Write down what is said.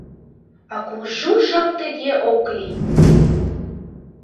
А кужу жап тыге ок лий!